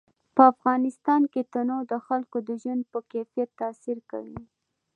په افغانستان کې تنوع د خلکو د ژوند په کیفیت تاثیر کوي.